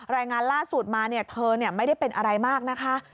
รายงานล่าสุดมาเธอไม่ได้เป็นอะไรมากนะคะ